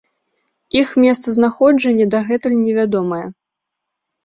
Іх месцазнаходжанне дагэтуль невядомае.